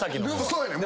そうやねん。